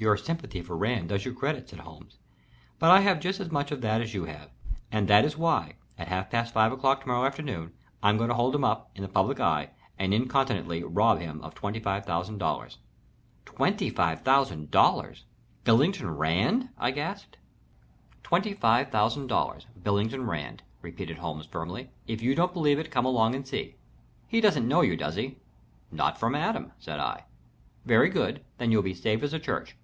"Your sympathy for Rand does you credit," said Holmes. "But I have just as much of that as you have, and that is why, at half past five o'clock to morrow afternoon, I'm going to hold him up, in the public eye, and incontinently rob him of $25,000." "Twenty five thousand dollars? Billington Rand?" I gasped. "Twenty five thousand dollars. Billington Rand," repeated Holmes, firmly. "If you don't believe it come along and see. He doesn't know you, does he?" "Not from Adam," said I. "Very good then you'll be safe as a church.